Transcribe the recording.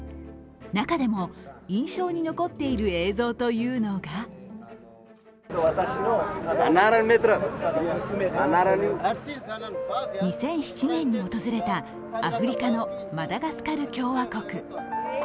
中でも印象に残っている映像というのが２００７年に訪れたアフリカのマダガスカル共和国。